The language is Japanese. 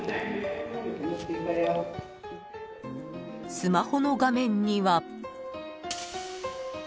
［スマホの画面には］